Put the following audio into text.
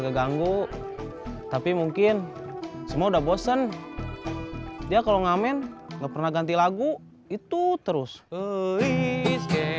keganggu tapi mungkin semua udah bosen dia kalau ngamen nggak pernah ganti lagu itu terus